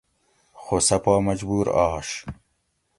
خو سہ پا مجبور آش